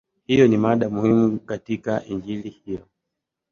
Hiyo ni mada muhimu katika Injili hiyo.